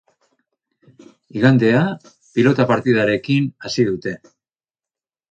Igandea pilota partidarekin hasi dute.